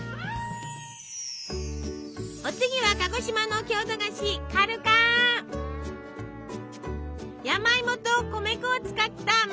お次は鹿児島の郷土菓子山芋と米粉を使った真っ白な蒸し菓子よ。